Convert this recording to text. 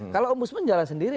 kalau ombudsman jalan sendiri